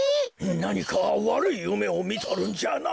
なにかわるいゆめをみとるんじゃな。